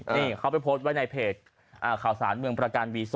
นี่เขาไปโพสต์ไว้ในเพจข่าวสารเมืองประการวี๒